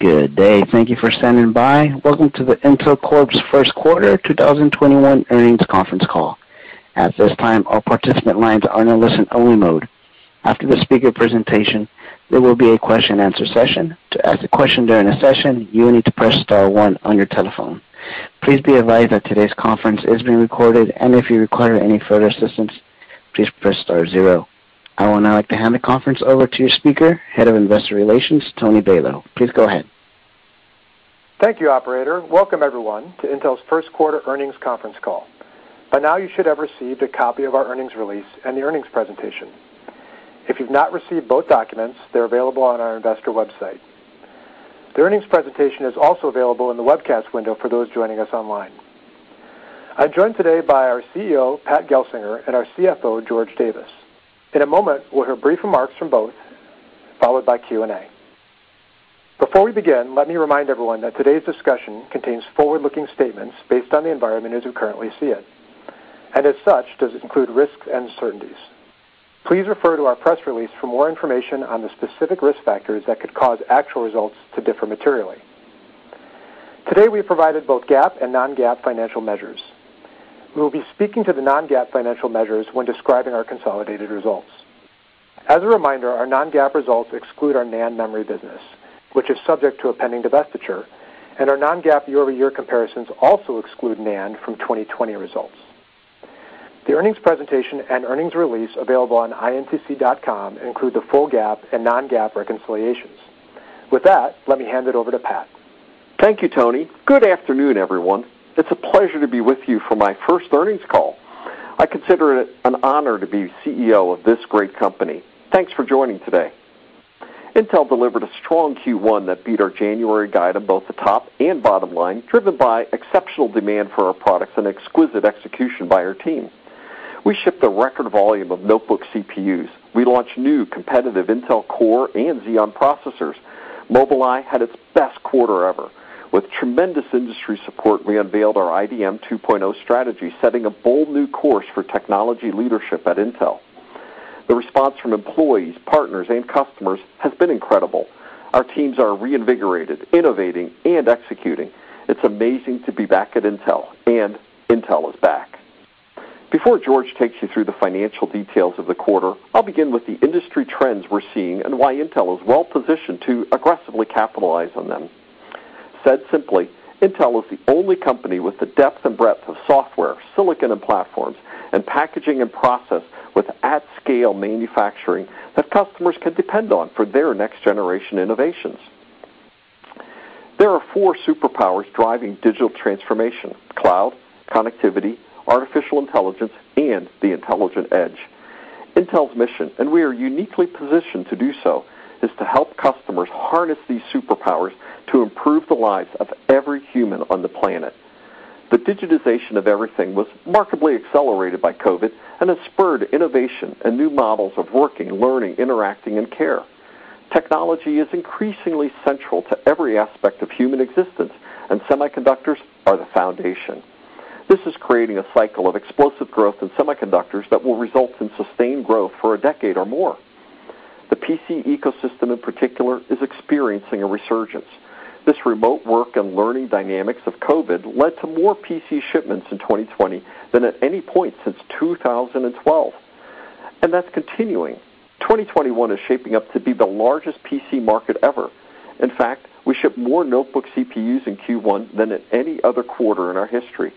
Good day. Thank you for standing by. Welcome to the Intel Corp's Q1 2021 earnings conference, At this time, all participant lines are in a listen-only mode. After the speaker presentation, there will be a question and answer session. To ask a question during the session, you will need to press star one on your telephone. Please be advised that today's conference is being recorded, and if you require any further assistance, please press star zero. I would now like to hand the conference over to your speaker, Head of Investor Relations, Tony Balow. Please go ahead. Thank you, operator. Welcome everyone to Intel's Q1 earnings conference call. By now you should have received a copy of our earnings release and the earnings presentation. If you've not received both documents, they're available on our investor website. The earnings presentation is also available in the webcast window for those joining us online. I'm joined today by our CEO, Pat Gelsinger, and our CFO, George Davis. In a moment, we'll hear brief remarks from both, followed by Q&A. Before we begin, let me remind everyone that today's discussion contains forward-looking statements based on the environment as we currently see it, and as such, does include risks and uncertainties. Please refer to our press release for more information on the specific risk factors that could cause actual results to differ materially. Today, we have provided both GAAP and non-GAAP financial measures. We will be speaking to the non-GAAP financial measures when describing our consolidated results. As a reminder, our non-GAAP results exclude our NAND memory business, which is subject to a pending divestiture, and our non-GAAP year-over-year comparisons also exclude NAND from 2020 results. The earnings presentation and earnings release available on intc.com include the full GAAP and non-GAAP reconciliations. With that, let me hand it over to Pat. Thank you, Tony. Good afternoon, everyone. It's a pleasure to be with you for my first earnings call. I consider it an honor to be CEO of this great company. Thanks for joining today. Intel delivered a strong Q1 that beat our January guide on both the top and bottom line, driven by exceptional demand for our products and exquisite execution by our team. We shipped a record volume of notebook CPUs. We launched new competitive Intel Core and Xeon processors. Mobileye had its best quarter ever. With tremendous industry support, we unveiled our IDM 2.0 strategy, setting a bold new course for technology leadership at Intel. The response from employees, partners, and customers has been incredible. Our teams are reinvigorated, innovating, and executing. It's amazing to be back at Intel, and Intel is back. Before George takes you through the financial details of the quarter, I'll begin with the industry trends we're seeing and why Intel is well-positioned to aggressively capitalize on them. Said simply, Intel is the only company with the depth and breadth of software, silicon and platforms, and packaging and process with at-scale manufacturing that customers can depend on for their next generation innovations. There are four superpowers driving digital transformation: cloud, connectivity, artificial intelligence, and the intelligent edge. Intel's mission, and we are uniquely positioned to do so, is to help customers harness these superpowers to improve the lives of every human on the planet. The digitization of everything was remarkably accelerated by COVID and has spurred innovation and new models of working, learning, interacting, and care. Technology is increasingly central to every aspect of human existence, and semiconductors are the foundation. This is creating a cycle of explosive growth in semiconductors that will result in sustained growth for a decade or more. The PC ecosystem in particular is experiencing a resurgence. This remote work and learning dynamics of COVID led to more PC shipments in 2020 than at any point since 2012, and that's continuing. 2021 is shaping up to be the largest PC market ever. In fact, we shipped more notebook CPUs in Q1 than at any other quarter in our history.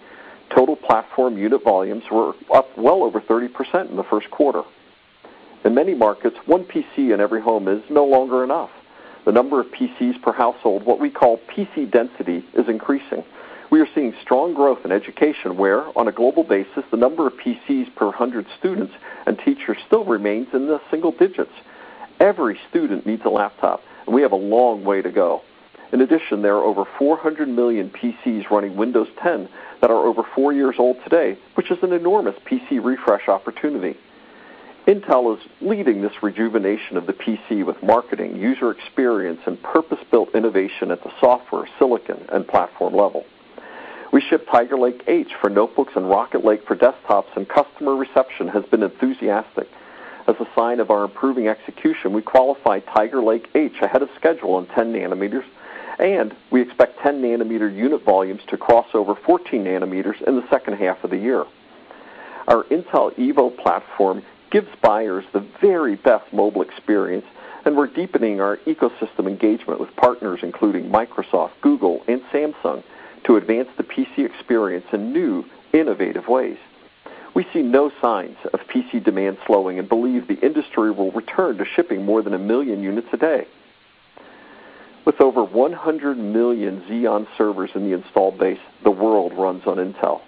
Total platform unit volumes were up well over 30% in the Q1. In many markets, one PC in every home is no longer enough. The number of PCs per household, what we call PC density, is increasing. We are seeing strong growth in education, where on a global basis, the number of PCs per 100 students and teachers still remains in the single digits. Every student needs a laptop. We have a long way to go. In addition, there are over 400 million PCs running Windows 10 that are over four years old today, which is an enormous PC refresh opportunity. Intel is leading this rejuvenation of the PC with marketing, user experience, and purpose-built innovation at the software, silicon, and platform level. We ship Tiger Lake-H for notebooks and Rocket Lake for desktops. Customer reception has been enthusiastic. As a sign of our improving execution, we qualified Tiger Lake-H ahead of schedule on 10 nanometers. We expect 10-nanometer unit volumes to cross over 14 nanometers in the second half of the year. Our Intel Evo platform gives buyers the very best mobile experience. We're deepening our ecosystem engagement with partners including Microsoft, Google, and Samsung to advance the PC experience in new, innovative ways. We see no signs of PC demand slowing and believe the industry will return to shipping more than 1 million units a day. With over 100 million Xeon servers in the installed base, the world runs on Intel.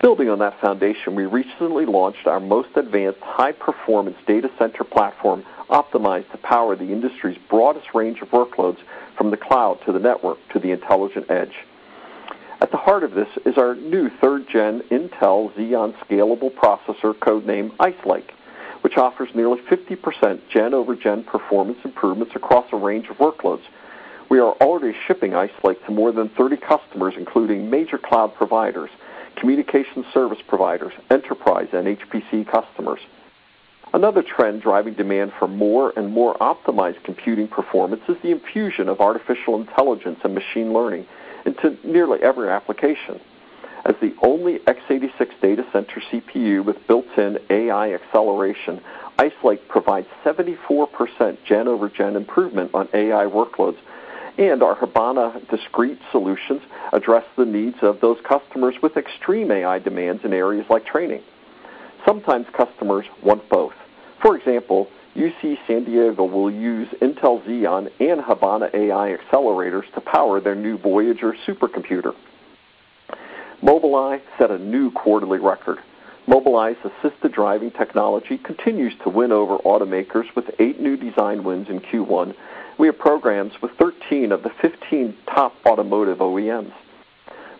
Building on that foundation, we recently launched our most advanced high-performance data center platform optimized to power the industry's broadest range of workloads from the cloud to the network to the intelligent edge. At the heart of this is our new third-gen Intel Xeon Scalable processor, code-named Ice Lake, which offers nearly 50% gen-over-gen performance improvements across a range of workloads. We are already shipping Ice Lake to more than 30 customers, including major cloud providers, communication service providers, enterprise, and HPC customers. Another trend driving demand for more and more optimized computing performance is the infusion of artificial intelligence and machine learning into nearly every application. As the only x86 data center CPU with built-in AI acceleration, Ice Lake provides 74% gen-over-gen improvement on AI workloads, and our Habana discrete solutions address the needs of those customers with extreme AI demands in areas like training. Sometimes customers want both. For example, UC San Diego will use Intel Xeon and Habana AI accelerators to power their new Voyager supercomputer. Mobileye set a new quarterly record. Mobileye's assisted driving technology continues to win over automakers with eight new design wins in Q1. We have programs with 13 of the 15 top automotive OEMs.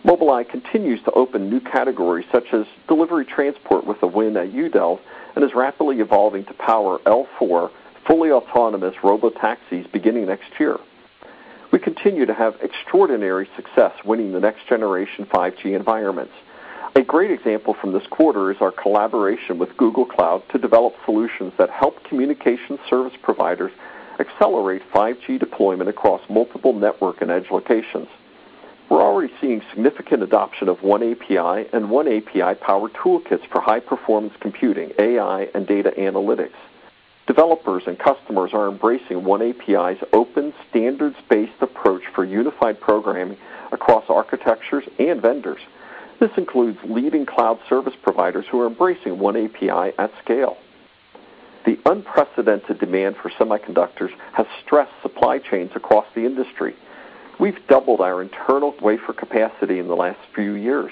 Mobileye continues to open new categories, such as delivery transport with a win at Udelv, and is rapidly evolving to power L4 fully autonomous robotaxis beginning next year. We continue to have extraordinary success winning the next generation 5G environments. A great example from this quarter is our collaboration with Google Cloud to develop solutions that help communication service providers accelerate 5G deployment across multiple network and edge locations. We're already seeing significant adoption of oneAPI and oneAPI-powered toolkits for high-performance computing, AI, and data analytics. Developers and customers are embracing oneAPI's open standards-based approach for unified programming across architectures and vendors. This includes leading cloud service providers who are embracing oneAPI at scale. The unprecedented demand for semiconductors has stressed supply chains across the industry. We've doubled our internal wafer capacity in the last few years,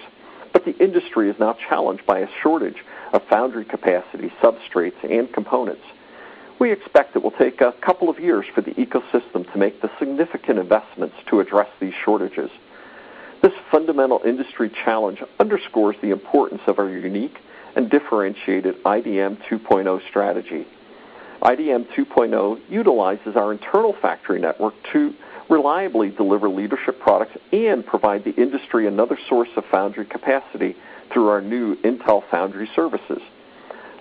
but the industry is now challenged by a shortage of foundry capacity, substrates, and components. We expect it will take a couple of years for the ecosystem to make the significant investments to address these shortages. This fundamental industry challenge underscores the importance of our unique and differentiated IDM 2.0 strategy. IDM 2.0 utilizes our internal factory network to reliably deliver leadership products and provide the industry another source of foundry capacity through our new Intel Foundry Services.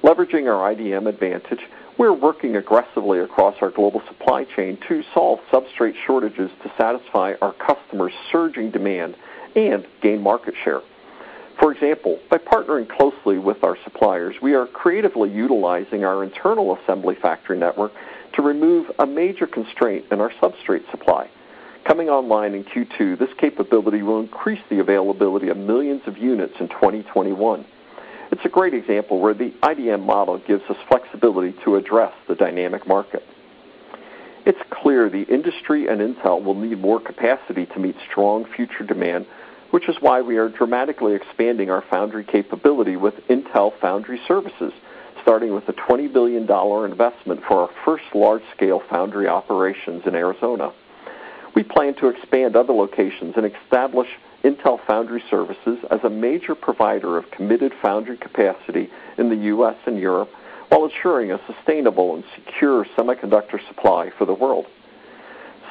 Leveraging our IDM advantage, we're working aggressively across our global supply chain to solve substrate shortages to satisfy our customers' surging demand and gain market share. For example, by partnering closely with our suppliers, we are creatively utilizing our internal assembly factory network to remove a major constraint in our substrate supply. Coming online in Q2, this capability will increase the availability of millions of units in 2021. It's a great example where the IDM model gives us flexibility to address the dynamic market. It's clear the industry and Intel will need more capacity to meet strong future demand, which is why we are dramatically expanding our foundry capability with Intel Foundry Services, starting with a $20 billion investment for our first large-scale foundry operations in Arizona. We plan to expand other locations and establish Intel Foundry Services as a major provider of committed foundry capacity in the U.S. and Europe while ensuring a sustainable and secure semiconductor supply for the world.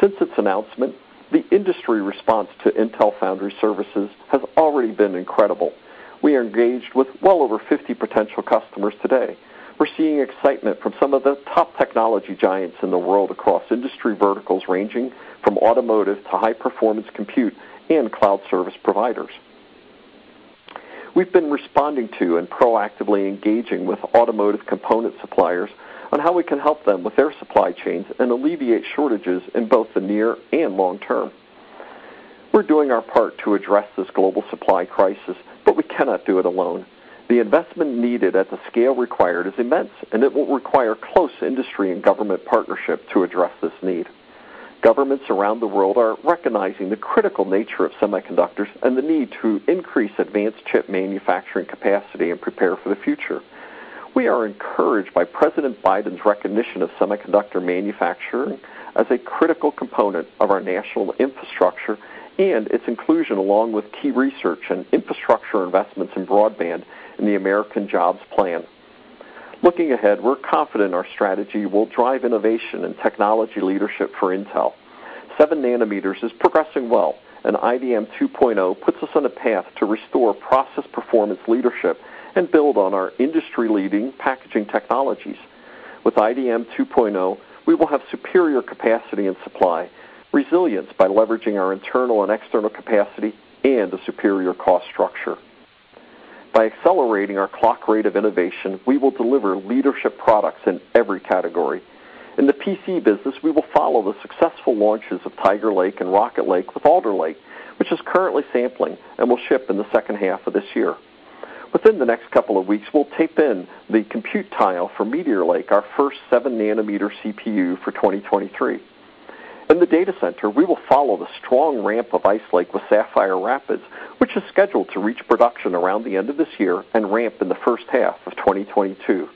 Since its announcement, the industry response to Intel Foundry Services has already been incredible. We are engaged with well over 50 potential customers today. We're seeing excitement from some of the top technology giants in the world across industry verticals ranging from automotive to high-performance compute and cloud service providers. We've been responding to and proactively engaging with automotive component suppliers on how we can help them with their supply chains and alleviate shortages in both the near and long term. We're doing our part to address this global supply crisis. We cannot do it alone. The investment needed at the scale required is immense. It will require close industry and government partnership to address this need. Governments around the world are recognizing the critical nature of semiconductors and the need to increase advanced chip manufacturing capacity and prepare for the future. We are encouraged by President Biden's recognition of semiconductor manufacturing as a critical component of our national infrastructure and its inclusion along with key research and infrastructure investments in broadband in the American Jobs Plan. Looking ahead, we're confident our strategy will drive innovation and technology leadership for Intel. seven nanometer is progressing well, and IDM 2.0 puts us on a path to restore process performance leadership and build on our industry-leading packaging technologies. With IDM 2.0, we will have superior capacity and supply, resilience by leveraging our internal and external capacity, and a superior cost structure. By accelerating our clock rate of innovation, we will deliver leadership products in every category. In the PC business, we will follow the successful launches of Tiger Lake and Rocket Lake with Alder Lake, which is currently sampling and will ship in the second half of this year. Within the next couple of weeks, we'll tape in the compute tile for Meteor Lake, our first seven nanometer CPU for 2023. In the data center, we will follow the strong ramp of Ice Lake with Sapphire Rapids, which is scheduled to reach production around the end of this year and ramp in the first half of 2022.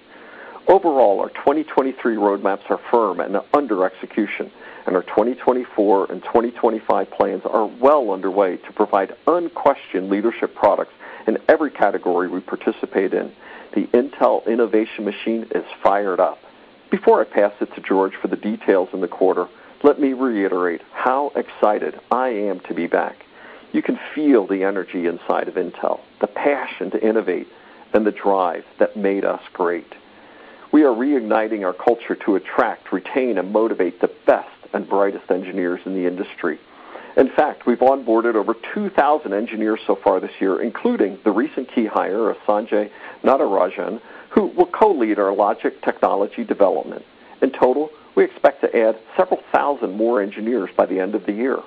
Overall, our 2023 roadmaps are firm and are under execution, and our 2024 and 2025 plans are well underway to provide unquestioned leadership products in every category we participate in. The Intel innovation machine is fired up. Before I pass it to George for the details in the quarter, let me reiterate how excited I am to be back. You can feel the energy inside of Intel, the passion to innovate, and the drive that made us great. We are reigniting our culture to attract, retain, and motivate the best and brightest engineers in the industry. In fact, we've onboarded over 2,000 engineers so far this year, including the recent key hire of Sanjay Natarajan, who will co-lead our logic technology development. In total, we expect to add several thousand more engineers by the end of the year.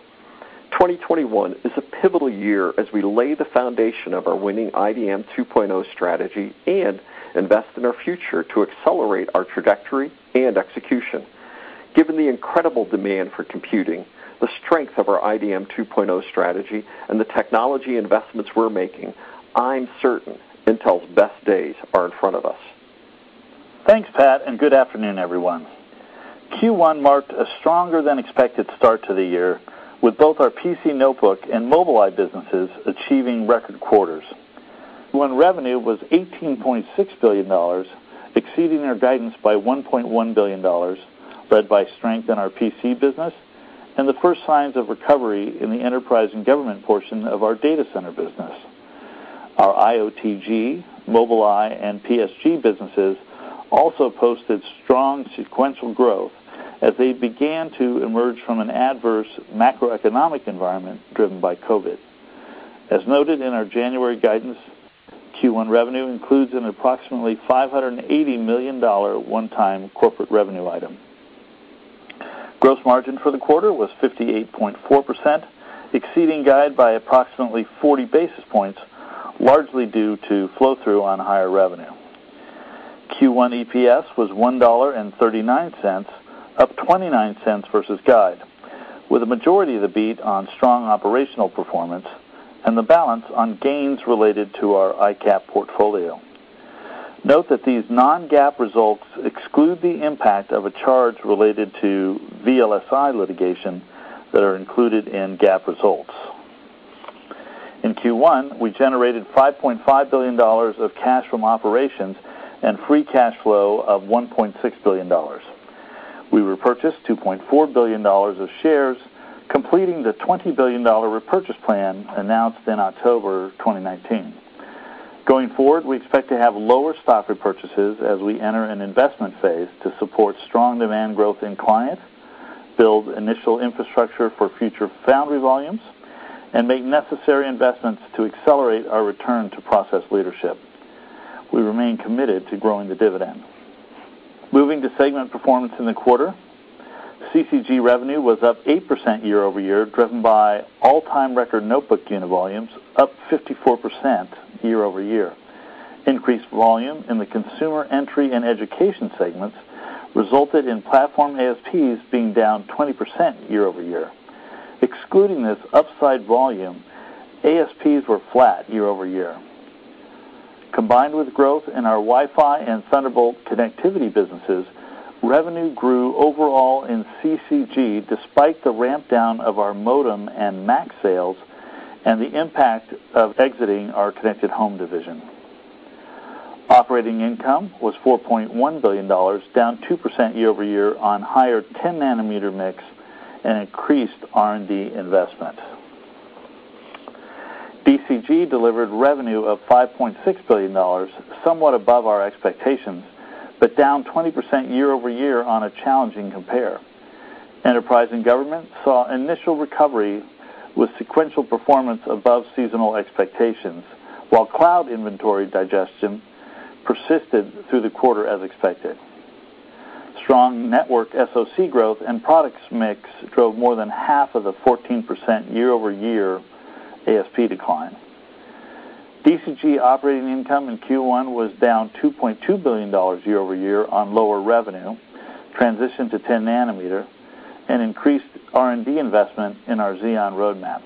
2021 is a pivotal year as we lay the foundation of our winning IDM 2.0 strategy and invest in our future to accelerate our trajectory and execution. Given the incredible demand for computing, the strength of our IDM 2.0 strategy, and the technology investments we're making, I'm certain Intel's best days are in front of us. Thanks, Pat, good afternoon, everyone. Q1 marked a stronger-than-expected start to the year, with both our PC notebook and Mobileye businesses achieving record quarters. Q1 revenue was $18.6 billion, exceeding our guidance by $1.1 billion, led by strength in our PC business and the first signs of recovery in the enterprise and government portion of our data center business. Our IOTG, Mobileye, and PSG businesses also posted strong sequential growth as they began to emerge from an adverse macroeconomic environment driven by COVID. As noted in our January guidance, Q1 revenue includes an approximately $580 million one-time corporate revenue item. Gross margin for the quarter was 58.4%, exceeding guide by approximately 40 basis points, largely due to flow-through on higher revenue. Q1 EPS was $1.39, up $0.29 versus guide, with a majority of the beat on strong operational performance and the balance on gains related to our ICAP portfolio. Note that these non-GAAP results exclude the impact of a charge related to VLSI litigation that are included in GAAP results. In Q1, we generated $5.5 billion of cash from operations and free cash flow of $1.6 billion. We repurchased $2.4 billion of shares, completing the $20 billion repurchase plan announced in October 2019. Going forward, we expect to have lower stock repurchases as we enter an investment phase to support strong demand growth in client, build initial infrastructure for future foundry volumes, and make necessary investments to accelerate our return to process leadership. We remain committed to growing the dividend. Moving to segment performance in the quarter, CCG revenue was up 8% year-over-year, driven by all-time record notebook unit volumes up 54% year-over-year. Increased volume in the consumer entry and education segments resulted in platform ASPs being down 20% year-over-year. Excluding this upside volume, ASPs were flat year-over-year. Combined with growth in our Wi-Fi and Thunderbolt connectivity businesses, revenue grew overall in CCG despite the ramp-down of our modem and Mac sales and the impact of exiting our connected home division. Operating income was $4.1 billion, down 2% year-over-year on higher 10 nanometer mix and increased R&D investment. DCG delivered revenue of $5.6 billion, somewhat above our expectations, but down 20% year-over-year on a challenging compare. Enterprise and Government saw initial recovery with sequential performance above seasonal expectations, while cloud inventory digestion persisted through the quarter as expected. Strong network SoC growth and products mix drove more than half of the 14% year-over-year ASP decline. DCG operating income in Q1 was down $2.2 billion year-over-year on lower revenue, transition to 10 nanometer, and increased R&D investment in our Xeon roadmap.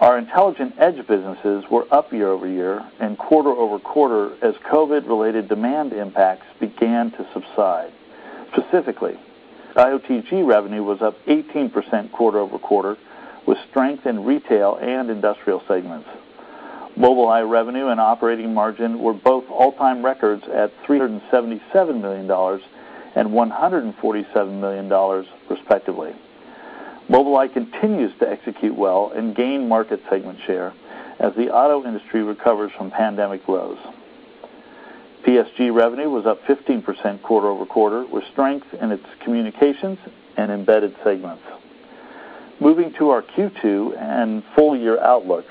Our intelligent edge businesses were up year-over-year and quarter-over-quarter as COVID-related demand impacts began to subside. Specifically, IOTG revenue was up 18% quarter-over-quarter, with strength in retail and industrial segments. Mobileye revenue and operating margin were both all-time records at $377 million and $147 million, respectively. Mobileye continues to execute well and gain market segment share as the auto industry recovers from pandemic lows. PSG revenue was up 15% quarter-over-quarter, with strength in its communications and embedded segments. Moving to our Q2 and full-year outlook.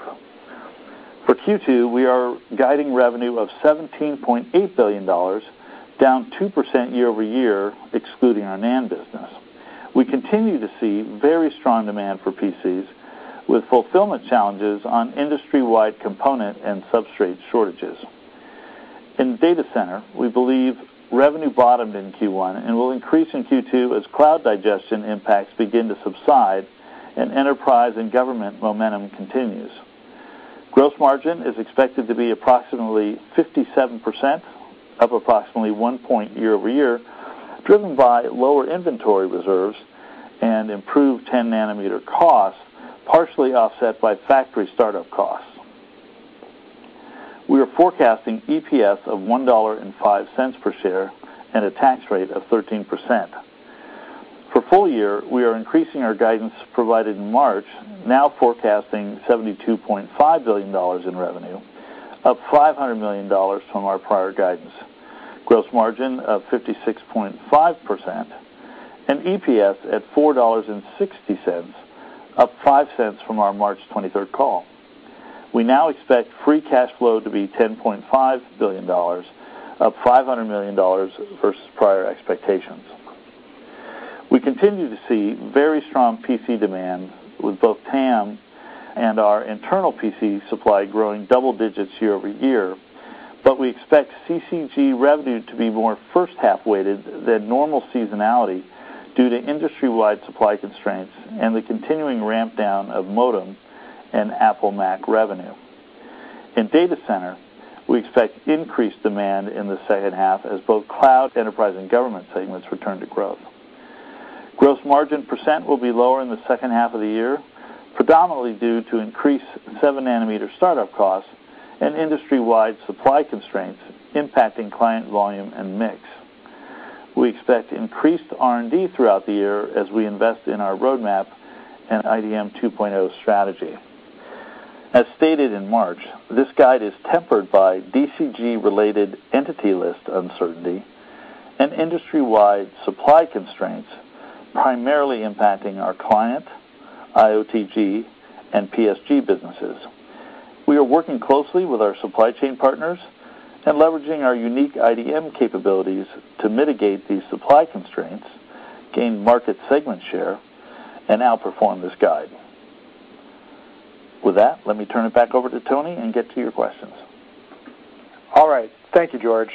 For Q2, we are guiding revenue of $17.8 billion, down 2% year-over-year, excluding our NAND business. We continue to see very strong demand for PCs, with fulfillment challenges on industry-wide component and substrate shortages. In Data Center, we believe revenue bottomed in Q1 and will increase in Q2 as cloud digestion impacts begin to subside and enterprise and government momentum continues. Gross margin is expected to be approximately 57%, up approximately one point year-over-year, driven by lower inventory reserves and improved 10 nanometer costs, partially offset by factory startup costs. We are forecasting EPS of $1.05 per share and a tax rate of 13%. For full year, we are increasing our guidance provided in March, now forecasting $72.5 billion in revenue, up $500 million from our prior guidance, gross margin of 56.5%, and EPS at $4.60, up $0.05 from our March 23rd call. We now expect free cash flow to be $10.5 billion, up $500 million versus prior expectations. We continue to see very strong PC demand with both TAM and our internal PC supply growing double digits year-over-year. We expect CCG revenue to be more first-half weighted than normal seasonality due to industry-wide supply constraints and the continuing ramp down of modem and Apple Mac revenue. In Data Center, we expect increased demand in the second half as both cloud, enterprise, and government segments return to growth. Gross margin percent will be lower in the second half of the year, predominantly due to increased seven nanometer startup costs and industry-wide supply constraints impacting client volume and mix. We expect increased R&D throughout the year as we invest in our roadmap and IDM 2.0 strategy. As stated in March, this guide is tempered by DCG-related Entity List uncertainty and industry-wide supply constraints, primarily impacting our client, IOTG, and PSG businesses. We are working closely with our supply chain partners and leveraging our unique IDM capabilities to mitigate these supply constraints, gain market segment share, and outperform this guide. With that, let me turn it back over to Tony and get to your questions. All right. Thank you, George.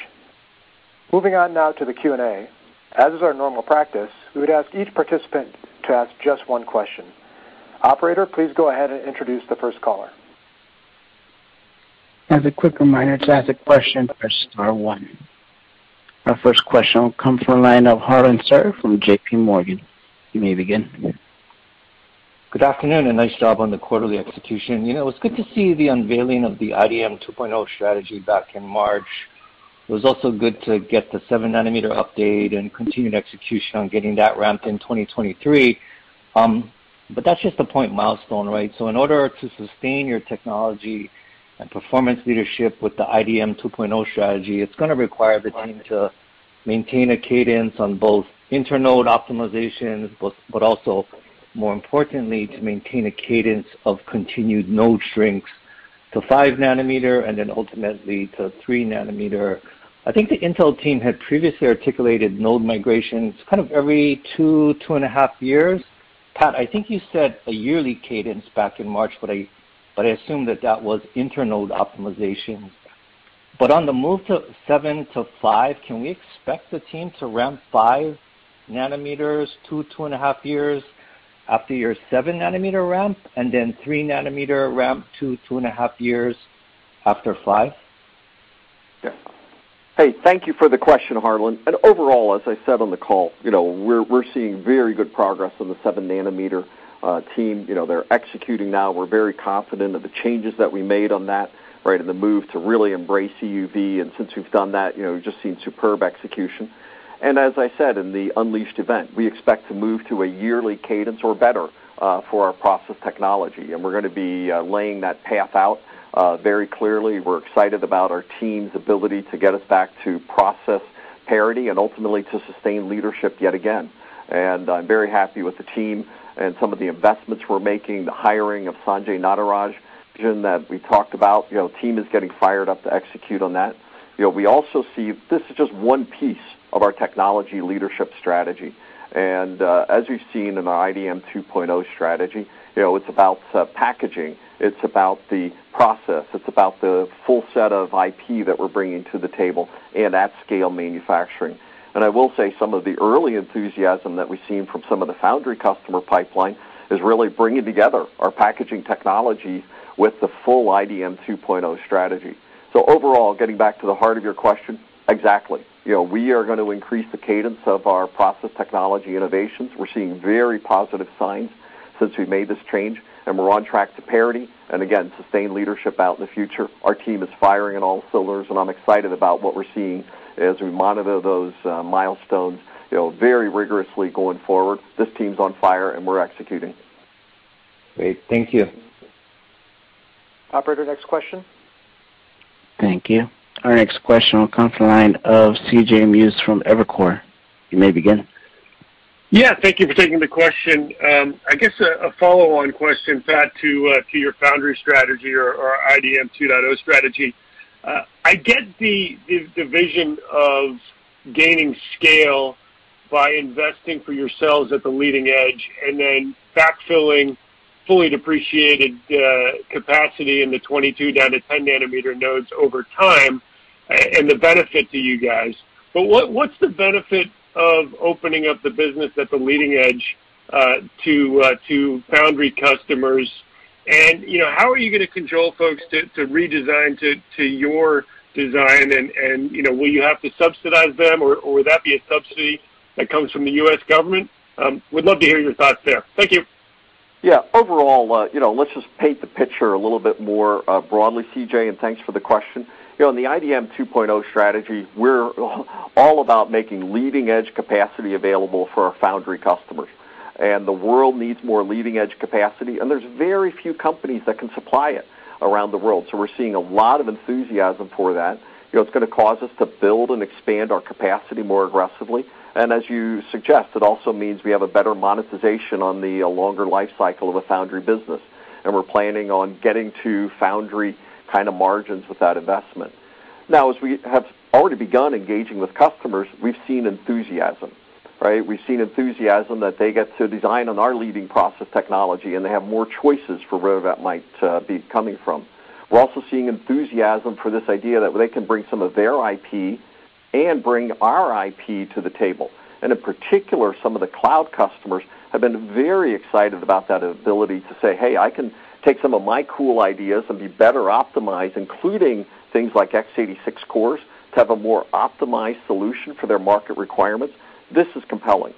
Moving on now to the Q&A. As is our normal practice, we would ask each participant to ask just one question. Operator, please go ahead and introduce the first caller. As a quick reminder, to ask a question, press star one. Our first question will come from the line of Harlan Sur from JPMorgan. You may begin. Good afternoon. Nice job on the quarterly execution. It was good to see the unveiling of the IDM 2.0 strategy back in March. It was also good to get the seven nanometer update and continued execution on getting that ramped in 2023. That's just a point milestone, right? In order to sustain your technology and performance leadership with the IDM 2.0 strategy, it's going to require the team to maintain a cadence on both inter-node optimization, but also more importantly, to maintain a cadence of continued node shrinks to five nanometer and then ultimately to three nanometer. I think the Intel team had previously articulated node migrations every two and a half years. Pat, I think you said a yearly cadence back in March, but I assume that that was inter-node optimization. On the move to seven to five, can we expect the team to ramp five nanometers two and a half years after your seven nanometer ramp, and then three nanometer ramp two and a half years after five? Thank you for the question, Harlan. Overall, as I said on the call, we're seeing very good progress on the seven nanometer team. They're executing now. We're very confident of the changes that we made on that, and the move to really embrace EUV. Since we've done that, we've just seen superb execution. As I said in the Unleashed event, we expect to move to a yearly cadence or better for our process technology, and we're going to be laying that path out very clearly. We're excited about our team's ability to get us back to process parity and ultimately to sustain leadership yet again. I'm very happy with the team and some of the investments we're making, the hiring of Sanjay Natarajan, Jim, that we talked about. The team is getting fired up to execute on that. This is just one piece of our technology leadership strategy. As you've seen in our IDM 2.0 strategy, it's about packaging, it's about the process, it's about the full set of IP that we're bringing to the table and at scale manufacturing. I will say, some of the early enthusiasm that we've seen from some of the foundry customer pipeline is really bringing together our packaging technology with the full IDM 2.0 strategy. Overall, getting back to the heart of your question, exactly. We are going to increase the cadence of our process technology innovations. We're seeing very positive signs since we made this change, and we're on track to parity and again, sustained leadership out in the future. Our team is firing on all cylinders, and I'm excited about what we're seeing as we monitor those milestones very rigorously going forward. This team's on fire, and we're executing. Great. Thank you. Operator, next question. Thank you. Our next question will come from the line of C.J. Muse from Evercore. You may begin. Yeah, thank you for taking the question. I guess a follow-on question, Pat, to your foundry strategy or IDM 2.0 strategy. I get the vision of gaining scale by investing for yourselves at the leading edge and then backfilling fully depreciated capacity in the 22 down to 10 nanometer nodes over time and the benefit to you guys. What's the benefit of opening up the business at the leading edge to foundry customers? How are you going to control folks to redesign to your design? Will you have to subsidize them, or would that be a subsidy that comes from the U.S. government? Would love to hear your thoughts there. Thank you. Yeah. Overall, let's just paint the picture a little bit more broadly, C.J., thanks for the question. In the IDM 2.0 strategy, we're all about making leading-edge capacity available for our foundry customers. The world needs more leading-edge capacity, and there's very few companies that can supply it around the world. We're seeing a lot of enthusiasm for that. It's going to cause us to build and expand our capacity more aggressively. As you suggest, it also means we have a better monetization on the longer life cycle of a foundry business, and we're planning on getting to foundry kind of margins with that investment. Now, as we have already begun engaging with customers, we've seen enthusiasm, right? We've seen enthusiasm that they get to design on our leading process technology, and they have more choices for where that might be coming from. We're also seeing enthusiasm for this idea that they can bring some of their IP and bring our IP to the table. In particular, some of the cloud customers have been very excited about that ability to say, "Hey, I can take some of my cool ideas and be better optimized," including things like x86 cores, to have a more optimized solution for their market requirements. This is compelling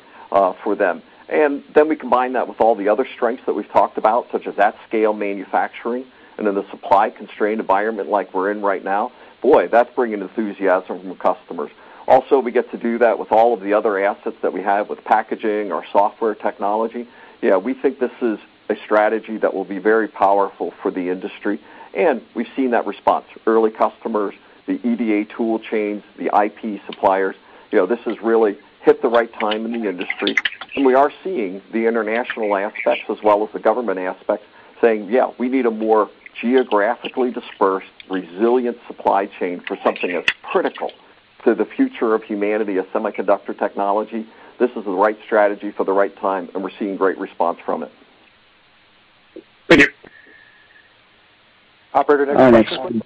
for them. We combine that with all the other strengths that we've talked about, such as at-scale manufacturing, and in a supply-constrained environment like we're in right now, boy, that's bringing enthusiasm from customers. Also, we get to do that with all of the other assets that we have with packaging, our software technology. We think this is a strategy that will be very powerful for the industry, and we've seen that response. Early customers, the EDA tool chains, the IP suppliers. This has really hit the right time in the industry, and we are seeing the international aspects as well as the government aspects saying, "Yeah, we need a more geographically dispersed, resilient supply chain for something that's critical to the future of humanity as semiconductor technology." This is the right strategy for the right time, and we're seeing great response from it. Thank you. Operator, next question.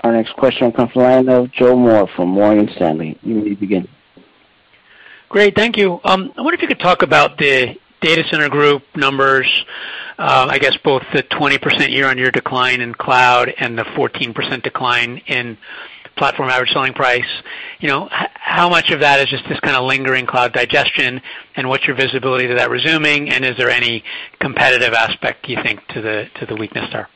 Our next question comes from the line of Joe Moore from Morgan Stanley. You may begin. Great. Thank you. I wonder if you could talk about the data center group numbers, I guess both the 20% year-on-year decline in cloud and the 14% decline in platform average selling price. How much of that is just this kind of lingering cloud digestion, and what's your visibility to that resuming? Is there any competitive aspect, do you think, to the weakness there?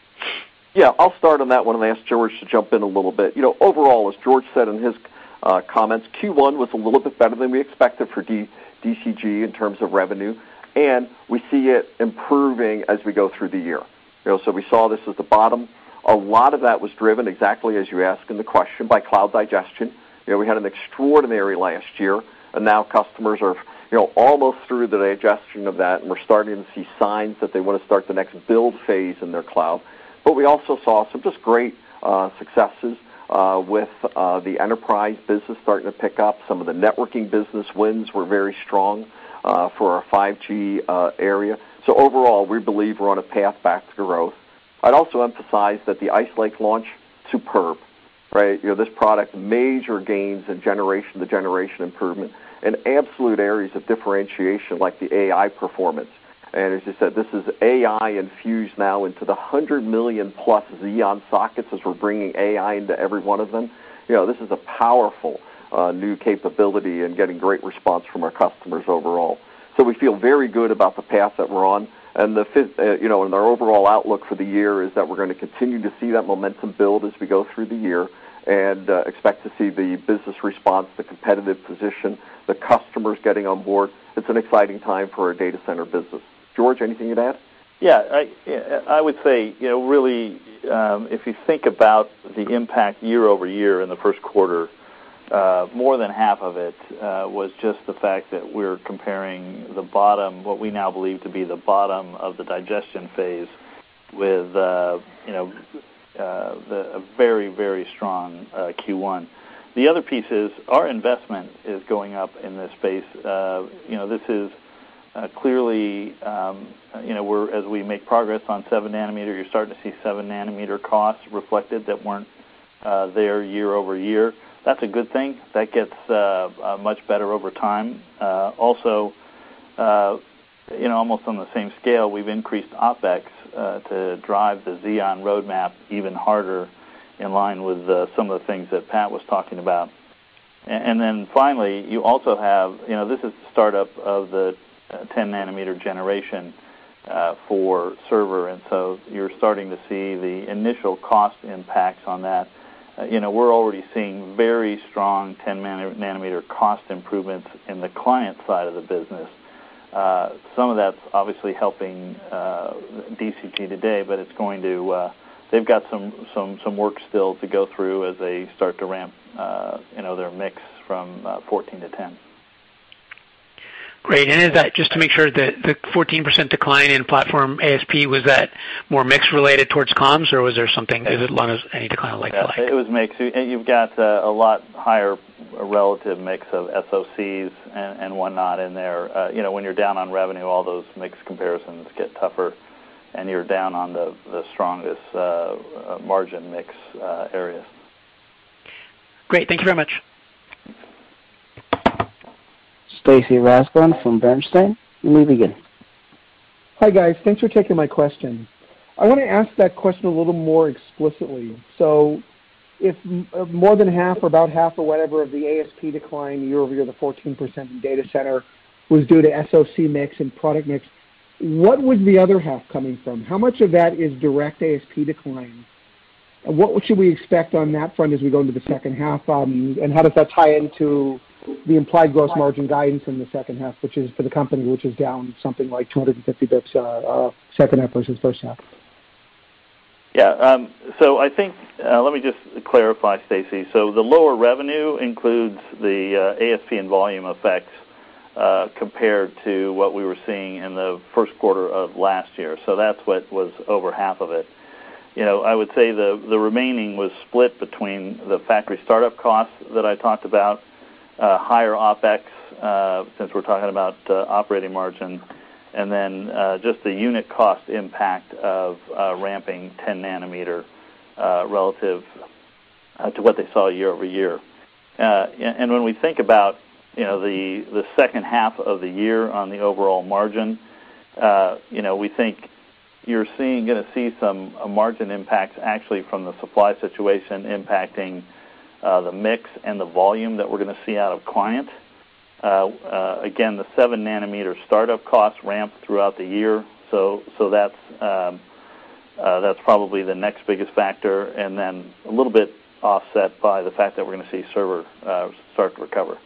Yeah, I'll start on that one, and I'll ask George to jump in a little bit. Overall, as George said in his comments, Q1 was a little bit better than we expected for DCG in terms of revenue, and we see it improving as we go through the year. We saw this as the bottom. A lot of that was driven, exactly as you asked in the question, by cloud digestion. We had an extraordinary last year, and now customers are almost through the digestion of that, and we're starting to see signs that they want to start the next build phase in their cloud. We also saw some just great successes, with the enterprise business starting to pick up. Some of the networking business wins were very strong for our 5G area. Overall, we believe we're on a path back to growth. I'd also emphasize that the Ice Lake launch, superb, right? This product, major gains in generation to generation improvement and absolute areas of differentiation like the AI performance. As you said, this is AI infused now into the 100 million+ Xeon sockets as we're bringing AI into every one of them. This is a powerful new capability and getting great response from our customers overall. We feel very good about the path that we're on. Our overall outlook for the year is that we're going to continue to see that momentum build as we go through the year and expect to see the business response, the competitive position, the customers getting on board. It's an exciting time for our data center business. George, anything to add? Yeah. I would say, really, if you think about the impact year-over-year in the Q1, more than half of it was just the fact that we're comparing the bottom, what we now believe to be the bottom of the digestion phase with a very strong Q1. The other piece is our investment is going up in this space. As we make progress on seven nanometer, you're starting to see seven nanometer costs reflected that weren't there year-over-year. That's a good thing. That gets much better over time. Almost on the same scale, we've increased OpEx, to drive the Xeon roadmap even harder in line with some of the things that Pat was talking about. Finally, this is the startup of the 10 nanometer generation for server, and so you're starting to see the initial cost impacts on that. We're already seeing very strong 10 nanometer cost improvements in the client side of the business. Some of that's obviously helping DCG today, they've got some work still to go through as they start to ramp their mix from 14 to 10. Great. Just to make sure, the 14% decline in platform ASP, was that more mix related towards comms, or was there something as long as any decline like that? It was mix. You've got a lot higher relative mix of SoCs and whatnot in there. When you're down on revenue, all those mix comparisons get tougher and you're down on the strongest margin mix areas. Great. Thank you very much. Stacy Rasgon from Bernstein, you may begin. Hi, guys. Thanks for taking my question. I want to ask that question a little more explicitly. If more than half or about half or whatever of the ASP decline year-over-year, the 14% in data center was due to SoC mix and product mix, what would the other half coming from? How much of that is direct ASP decline? What should we expect on that front as we go into the second half? How does that tie into the implied gross margin guidance in the second half, for the company, which is down something like 250 basis points second half versus first half? Yeah. I think, let me just clarify, Stacy. The lower revenue includes the ASP and volume effects, compared to what we were seeing in the Q1 of last year. That's what was over half of it. I would say the remaining was split between the factory startup costs that I talked about, higher OpEx, since we're talking about operating margin, and then just the unit cost impact of ramping 10 nanometer, relative to what they saw year-over-year. When we think about the second half of the year on the overall margin, we think you're going to see some margin impact actually from the supply situation impacting the mix and the volume that we're going to see out of client. Again, the seven nanometer startup costs ramped throughout the year. That's probably the next biggest factor, and then a little bit offset by the fact that we're going to see server start to recover.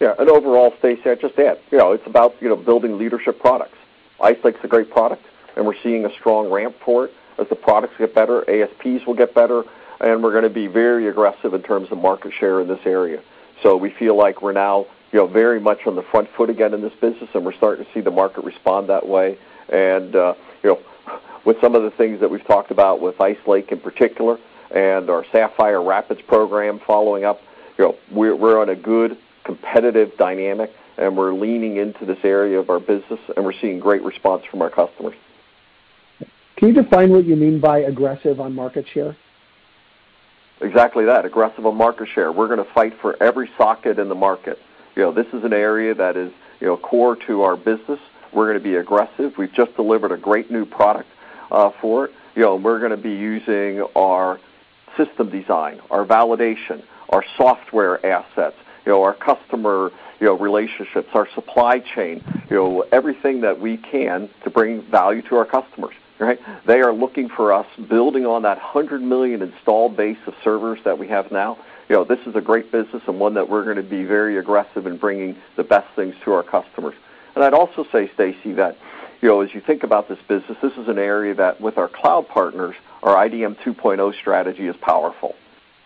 Yeah, overall, Stacy, I'd just add, it's about building leadership products. Ice Lake's a great product, we're seeing a strong ramp for it. As the products get better, ASPs will get better, we're going to be very aggressive in terms of market share in this area. We feel like we're now very much on the front foot again in this business, we're starting to see the market respond that way. With some of the things that we've talked about with Ice Lake in particular, our Sapphire Rapids program following up, we're on a good competitive dynamic, we're leaning into this area of our business, we're seeing great response from our customers. Can you define what you mean by aggressive on market share? Exactly that. Aggressive on market share. We're going to fight for every socket in the market. This is an area that is core to our business. We're going to be aggressive. We've just delivered a great new product for it. We're going to be using our system design, our validation, our software assets, our customer relationships, our supply chain, everything that we can to bring value to our customers, right? They are looking for us, building on that 100 million installed base of servers that we have now. This is a great business and one that we're going to be very aggressive in bringing the best things to our customers. I'd also say, Stacy, that as you think about this business, this is an area that, with our cloud partners, our IDM 2.0 strategy is powerful.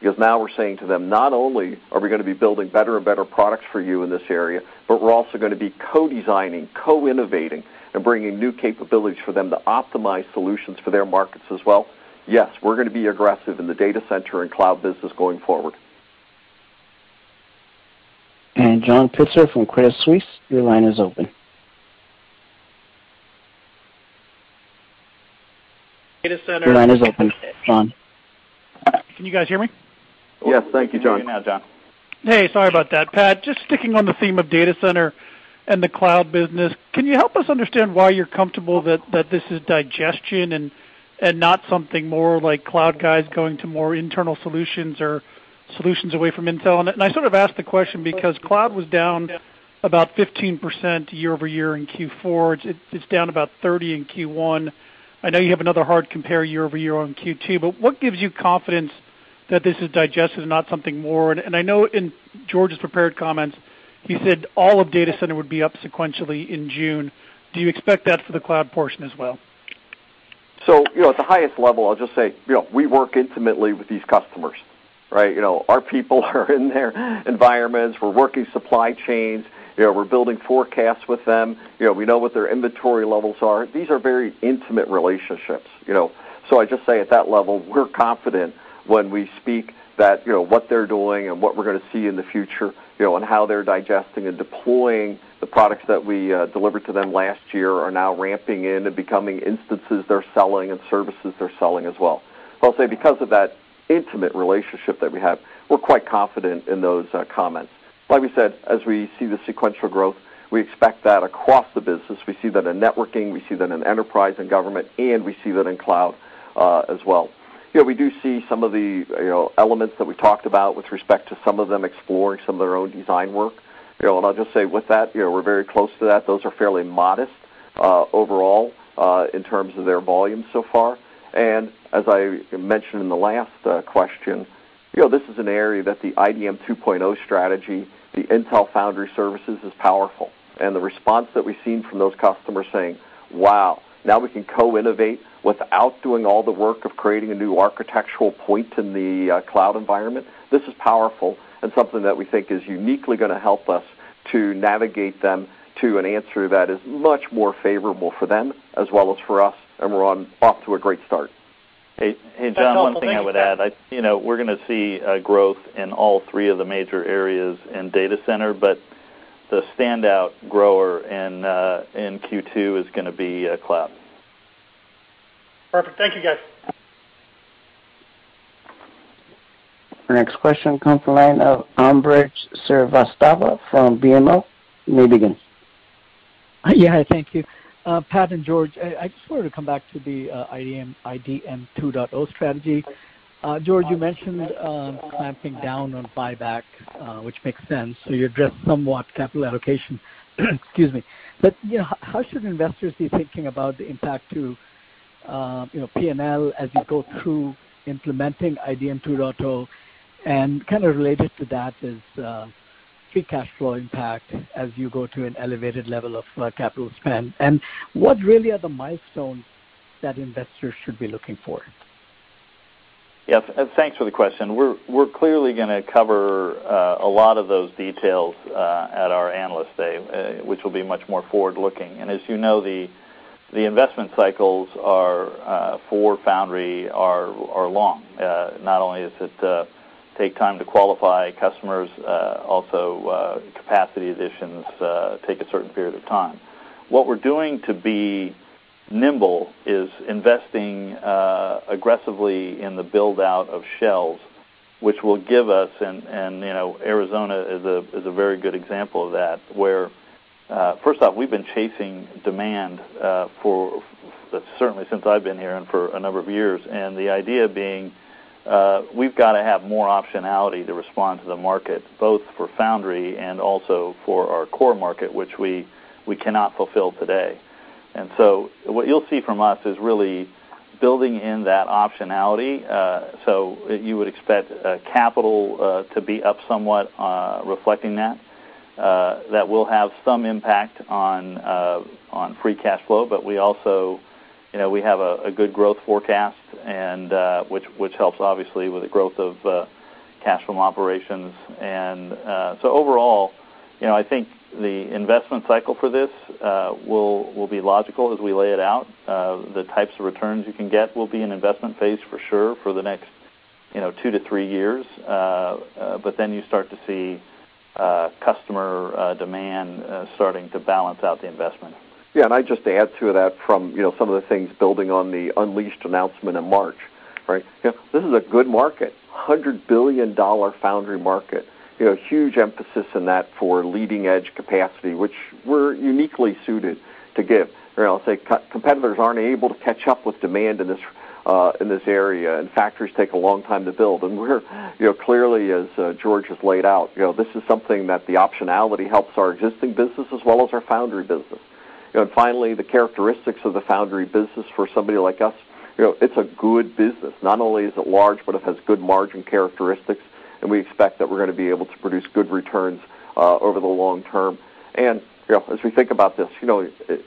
Now we're saying to them, not only are we going to be building better and better products for you in this area, but we're also going to be co-designing, co-innovating, and bringing new capabilities for them to optimize solutions for their markets as well. We're going to be aggressive in the data center and cloud business going forward. John Pitzer from Credit Suisse, your line is open. Your line is open, John. Can you guys hear me? Yes. Thank you, John. We can now, John. Hey, sorry about that. Pat, just sticking on the theme of data center and the cloud business, can you help us understand why you're comfortable that this is digestion and not something more like cloud guys going to more internal solutions or solutions away from Intel? I sort of ask the question because cloud was down about 15% year-over-year in Q4. It's down about 30 in Q1. I know you have another hard compare year-over-year on Q2, what gives you confidence that this is digested and not something more? I know in George's prepared comments, he said all of data center would be up sequentially in June. Do you expect that for the cloud portion as well? At the highest level, I'll just say, we work intimately with these customers, right? Our people are in their environments. We're working supply chains. We're building forecasts with them. We know what their inventory levels are. These are very intimate relationships. I just say at that level, we're confident when we speak that what they're doing and what we're going to see in the future, and how they're digesting and deploying the products that we delivered to them last year are now ramping in and becoming instances they're selling and services they're selling as well. I'll say because of that intimate relationship that we have, we're quite confident in those comments. Like we said, as we see the sequential growth, we expect that across the business. We see that in networking, we see that in enterprise and government, and we see that in cloud, as well. We do see some of the elements that we talked about with respect to some of them exploring some of their own design work. I'll just say with that, we're very close to that. Those are fairly modest overall, in terms of their volume so far. As I mentioned in the last question, this is an area that the IDM 2.0 strategy, the Intel Foundry Services is powerful. The response that we've seen from those customers saying, "Wow, now we can co-innovate without doing all the work of creating a new architectural point in the cloud environment." This is powerful and something that we think is uniquely going to help us to navigate them to an answer that is much more favorable for them as well as for us, and we're off to a great start. Hey, John, one thing I would add, we're going to see a growth in all three of the major areas in data center, but the standout grower in Q2 is going to be cloud. Perfect. Thank you, guys. Our next question comes from the line of Ambrish Srivastava from BMO. You may begin. Yeah. Thank you. Pat and George, I just wanted to come back to the IDM 2.0 strategy. George, you mentioned clamping down on buyback, which makes sense. You addressed somewhat capital allocation. Excuse me. How should investors be thinking about the impact to P&L as you go through implementing IDM 2.0? Kind of related to that is free cash flow impact as you go to an elevated level of capital spend, and what really are the milestones that investors should be looking for? Yes. Thanks for the question. We're clearly going to cover a lot of those details at our Analyst Day, which will be much more forward-looking. As you know, the investment cycles for Foundry are long. Not only does it take time to qualify customers, also capacity additions take a certain period of time. What we're doing to be nimble is investing aggressively in the build-out of shells, which will give us, and Arizona is a very good example of that, where, first off, we've been chasing demand for certainly since I've been here and for a number of years. The idea being, we've got to have more optionality to respond to the market, both for Foundry and also for our core market, which we cannot fulfill today. What you'll see from us is really building in that optionality. You would expect capital to be up somewhat, reflecting that. That will have some impact on free cash flow, but we also have a good growth forecast, which helps obviously with the growth of cash from operations. Overall, I think the investment cycle for this will be logical as we lay it out. The types of returns you can get will be an investment phase for sure for the next 2 to 3 years. Then you start to see customer demand starting to balance out the investment. Yeah, I'd just add to that from some of the things building on the Unleashed announcement in March, right? Yeah. This is a good market, $100 billion foundry market. Huge emphasis in that for leading-edge capacity, which we're uniquely suited to give. I'll say competitors aren't able to catch up with demand in this area. Factories take a long time to build. We're clearly, as George has laid out, this is something that the optionality helps our existing business as well as our foundry business. Finally, the characteristics of the foundry business for somebody like us, it's a good business. Not only is it large, but it has good margin characteristics, and we expect that we're going to be able to produce good returns over the long term. As we think about this,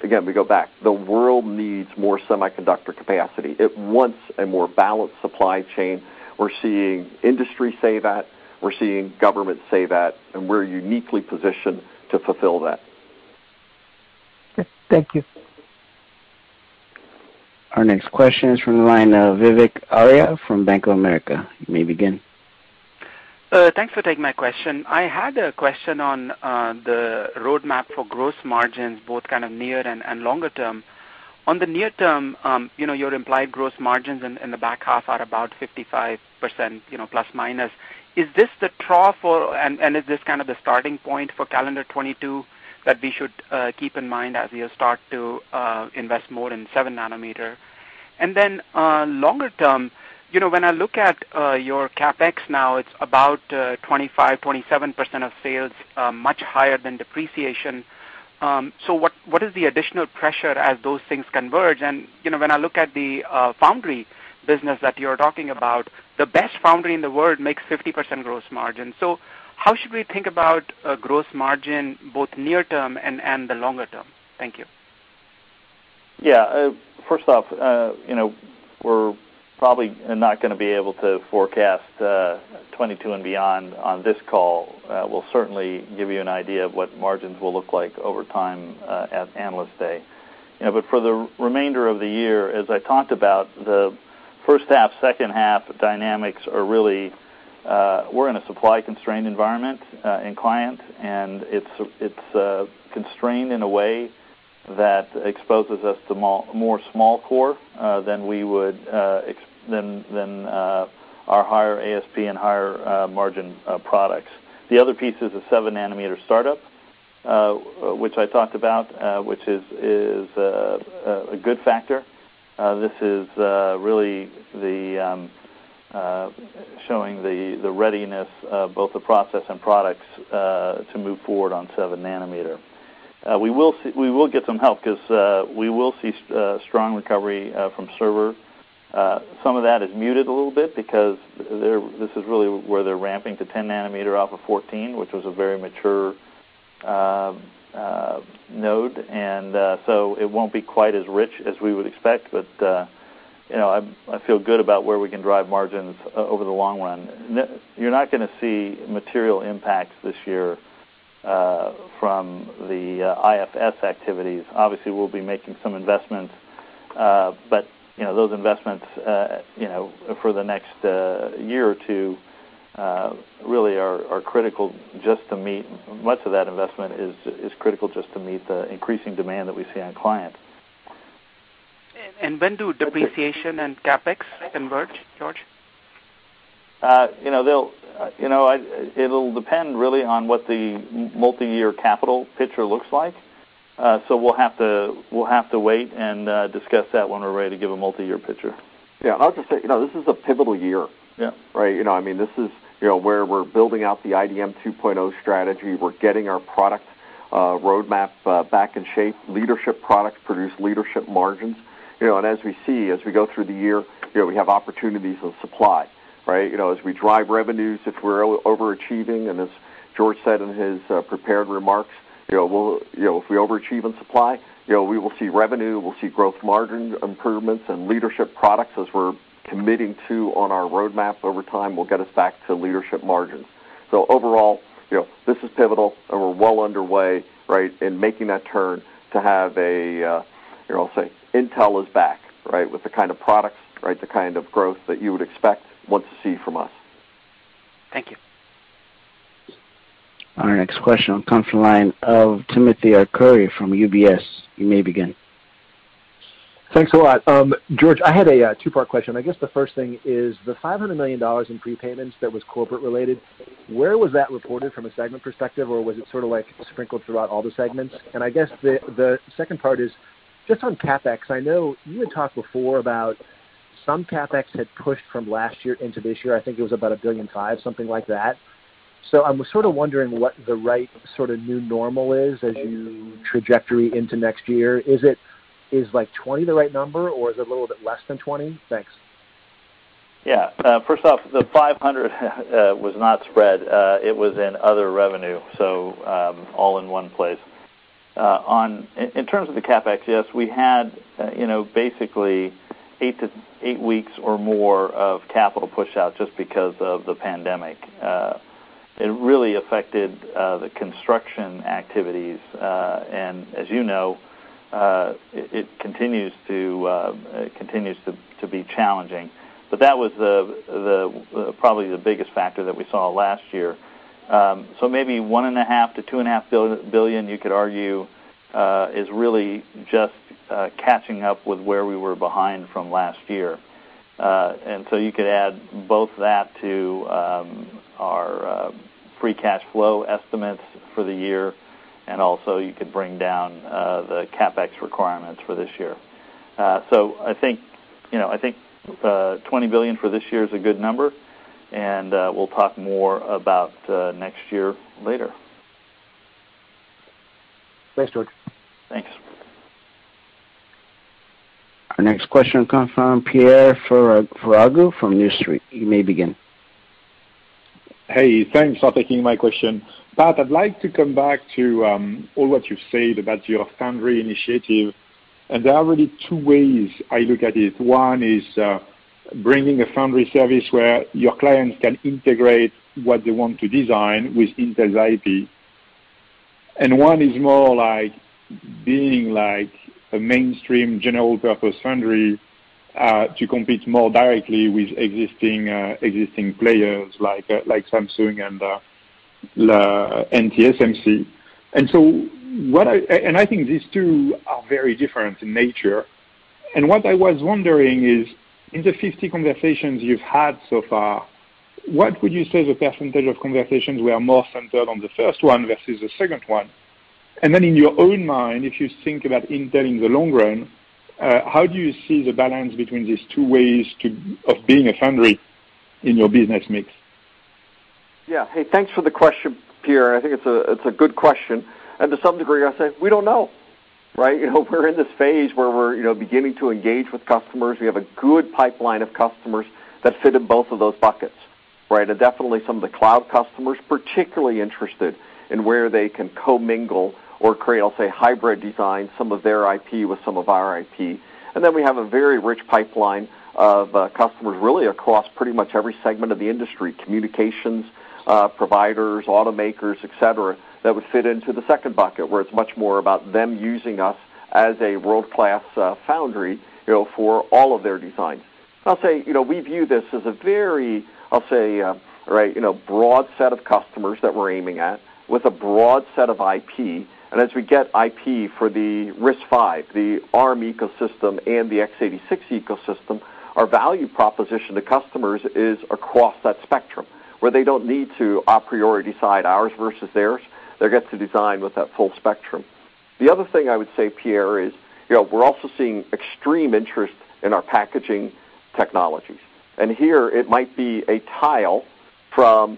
again, we go back, the world needs more semiconductor capacity. It wants a more balanced supply chain. We're seeing industry say that, we're seeing government say that, and we're uniquely positioned to fulfill that. Okay. Thank you. Our next question is from the line of Vivek Arya from Bank of America. You may begin. Thanks for taking my question. I had a question on the roadmap for gross margins, both kind of near and longer term. On the near term, your implied gross margins in the back half are about 55%, ±. Is this the trough for, and is this kind of the starting point for calendar 2022 that we should keep in mind as we start to invest more in seven nanometer? longer term, when I look at your CapEx now, it's about 25%-27% of sales, much higher than depreciation. What is the additional pressure as those things converge? When I look at the foundry business that you're talking about, the best foundry in the world makes 50% gross margin. How should we think about gross margin, both near term and the longer term? Thank you. Yeah. First off, we're probably not going to be able to forecast 2022 and beyond on this call. We'll certainly give you an idea of what margins will look like over time at Analyst Day. For the remainder of the year, as I talked about, the first half, second half dynamics are really, we're in a supply-constrained environment in clients, and it's constrained in a way that exposes us to more small core than our higher ASP and higher margin products. The other piece is the seven-nanometer startup, which I talked about, which is a good factor. This is really showing the readiness of both the process and products to move forward on seven nanometer. We will get some help because we will see strong recovery from server. Some of that is muted a little bit because this is really where they're ramping to 10 nanometer off of 14, which was a very mature node. It won't be quite as rich as we would expect. I feel good about where we can drive margins over the long run. You're not going to see material impacts this year from the IFS activities. Obviously, we'll be making some investments, those investments for the next year or two really are critical just to meet the increasing demand that we see on clients. When do depreciation and CapEx converge, George? It'll depend really on what the multi-year capital picture looks like. We'll have to wait and discuss that when we're ready to give a multi-year picture. Yeah. I'll just say, this is a pivotal year. Yeah. Right. This is where we're building out the IDM 2.0 strategy. We're getting our product roadmap back in shape, leadership product, produce leadership margins. As we see, as we go through the year, we have opportunities with supply, right? As we drive revenues, if we're overachieving, and as George said in his prepared remarks, if we overachieve in supply, we will see revenue, we'll see gross margin improvements and leadership products as we're committing to on our roadmap over time, will get us back to leadership margins. Overall, this is pivotal, and we're well underway, right, in making that turn to have a, I'll say, Intel is back, right, with the kind of products, right, the kind of growth that you would expect want to see from us. Thank you. Our next question comes from the line of Timothy Arcuri from UBS. You may begin. Thanks a lot. George, I had a two-part question. I guess the first thing is, the $500 million in prepayments that was corporate related, where was that reported from a segment perspective, or was it sort of sprinkled throughout all the segments? I guess the second part is just on CapEx. I know you had talked before about some CapEx had pushed from last year into this year. I think it was about $1.5 billion, something like that. I'm sort of wondering what the right sort of new normal is as you trajectory into next year. Is 20 the right number, or is it a little bit less than 20? Thanks. First off, the $500 was not spread. It was in other revenue, all in one place. In terms of the CapEx, yes, we had basically eight weeks or more of capital push out just because of the pandemic. It really affected the construction activities. As you know, it continues to be challenging. That was probably the biggest factor that we saw last year. Maybe $1.5 billion-$2.5 billion, you could argue, is really just catching up with where we were behind from last year. You could add both that to our free cash flow estimates for the year, and also you could bring down the CapEx requirements for this year. I think $20 billion for this year is a good number, and we'll talk more about next year later. Thanks, George. Thanks. Our next question comes from Pierre Ferragu from New Street Research. You may begin. Hey, thanks for taking my question. Pat, I'd like to come back to all what you've said about your foundry initiative. There are really two ways I look at it. One is bringing a foundry service where your clients can integrate what they want to design with Intel's IP, and one is more like being a mainstream general purpose foundry, to compete more directly with existing players like Samsung and TSMC. I think these two are very different in nature. What I was wondering is, in the 50 conversations you've had so far, what would you say the % of conversations were more centered on the first one versus the second one? In your own mind, if you think about Intel in the long run, how do you see the balance between these two ways of being a foundry in your business mix? Yeah. Hey, thanks for the question, Pierre. I think it's a good question. To some degree, I say we don't know, right? We're in this phase where we're beginning to engage with customers. We have a good pipeline of customers that fit in both of those buckets, right? Definitely some of the cloud customers, particularly interested in where they can co-mingle or create, I'll say, hybrid design, some of their IP with some of our IP. Then we have a very rich pipeline of customers, really across pretty much every segment of the industry, communications providers, automakers, et cetera, that would fit into the second bucket, where it's much more about them using us as a world-class foundry for all of their designs. I'll say, we view this as a very, I'll say, broad set of customers that we're aiming at with a broad set of IP. As we get IP for the RISC-V, the Arm ecosystem, and the x86 ecosystem, our value proposition to customers is across that spectrum, where they don't need to a priori decide ours versus theirs. They get to design with that full spectrum. The other thing I would say, Pierre, is we're also seeing extreme interest in our packaging technologies. Here it might be a tile from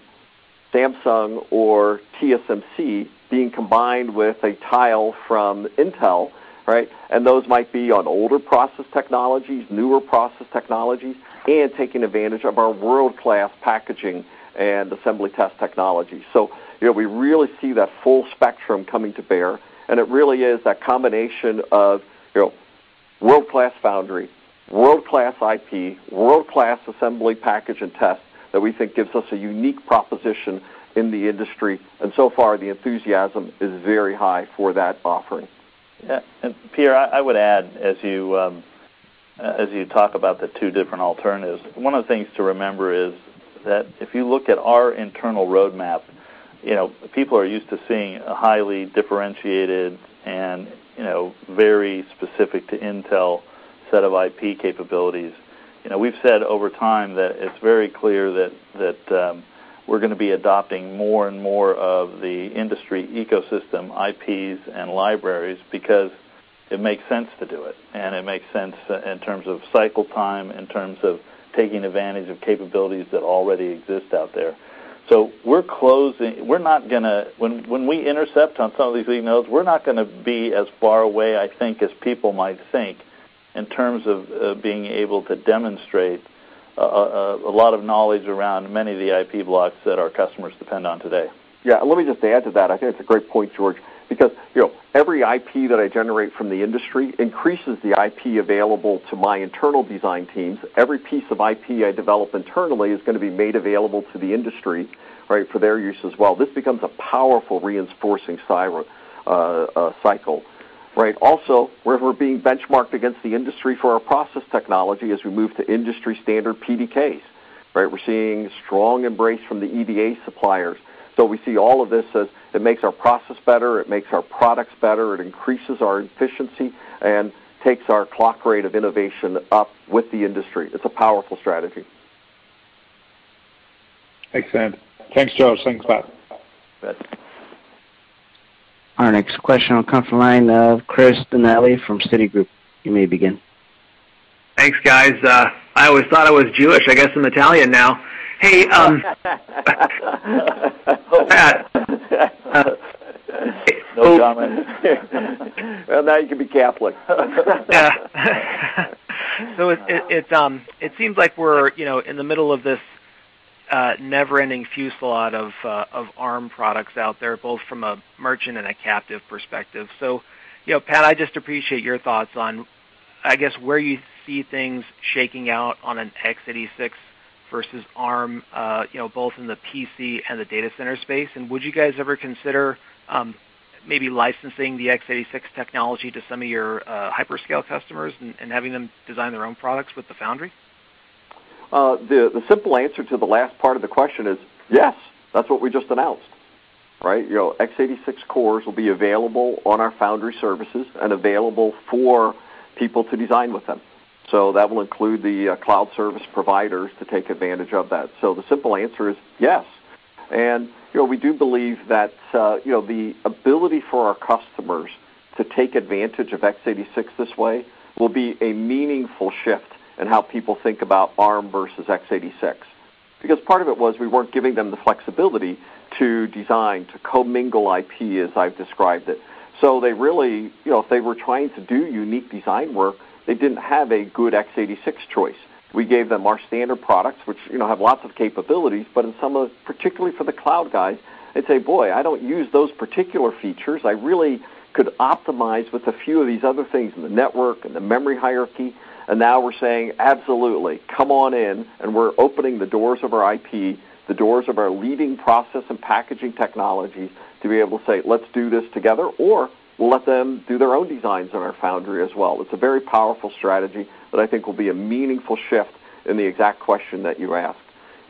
Samsung or TSMC being combined with a tile from Intel, right? Those might be on older process technologies, newer process technologies, and taking advantage of our world-class packaging and assembly test technology. We really see that full spectrum coming to bear, and it really is that combination of world-class foundry, world-class IP, world-class assembly package and test that we think gives us a unique proposition in the industry. So far, the enthusiasm is very high for that offering. Yeah. Pierre, I would add, as you talk about the two different alternatives, one of the things to remember is that if you look at our internal roadmap. People are used to seeing a highly differentiated and very specific to Intel set of IP capabilities. We've said over time that it's very clear that we're going to be adopting more and more of the industry ecosystem IPs and libraries because it makes sense to do it, and it makes sense in terms of cycle time, in terms of taking advantage of capabilities that already exist out there. When we intercept on some of these nodes, we're not going to be as far away, I think, as people might think, in terms of being able to demonstrate a lot of knowledge around many of the IP blocks that our customers depend on today. Yeah. Let me just add to that. I think that's a great point, George, because every IP that I generate from the industry increases the IP available to my internal design teams. Every piece of IP I develop internally is going to be made available to the industry for their use as well. This becomes a powerful reinforcing cycle. Also, where we're being benchmarked against the industry for our process technology as we move to industry-standard PDKs, we're seeing strong embrace from the EDA suppliers. We see all of this as it makes our process better, it makes our products better, it increases our efficiency, and takes our clock rate of innovation up with the industry. It's a powerful strategy. Excellent. Thanks, George. Thanks, Pat. You bet. Our next question will come from the line of Christopher Danely from Citigroup. You may begin. Thanks, guys. I always thought I was Jewish. I guess I'm Italian now. Hey, No comment. Well, now you can be Catholic. Yeah. It seems like we're in the middle of this never-ending fusillade of Arm products out there, both from a merchant and a captive perspective. Pat, I just appreciate your thoughts on, I guess, where you see things shaking out on an x86 versus Arm both in the PC and the data center space, and would you guys ever consider maybe licensing the x86 technology to some of your hyperscale customers and having them design their own products with the foundry? The simple answer to the last part of the question is yes. That's what we just announced. x86 cores will be available on our foundry services and available for people to design with them. That will include the cloud service providers to take advantage of that. The simple answer is yes. We do believe that the ability for our customers to take advantage of x86 this way will be a meaningful shift in how people think about Arm versus x86. Because part of it was we weren't giving them the flexibility to design, to commingle IP, as I've described it. If they were trying to do unique design work, they didn't have a good x86 choice. We gave them our standard products, which have lots of capabilities, but in some of, particularly for the cloud guys, they'd say, "Boy, I don't use those particular features. I really could optimize with a few of these other things in the network, in the memory hierarchy." Now we're saying, absolutely, come on in, and we're opening the doors of our IP, the doors of our leading process and packaging technology to be able to say, let's do this together, or let them do their own designs on our foundry as well. It's a very powerful strategy that I think will be a meaningful shift in the exact question that you asked.